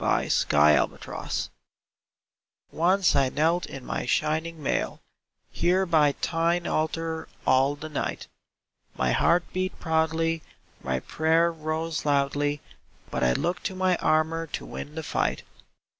Vigils VIGILS Once I knelt In my shining mall Here by Thine altar all the night. My heart beat proudly, my prayer rose loudly, But I looked to my armor to win the fight.